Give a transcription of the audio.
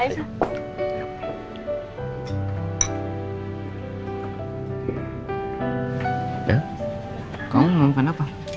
bel kamu mau makan apa